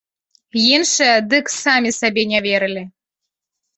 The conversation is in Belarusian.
Іншыя дык самі сабе не верылі.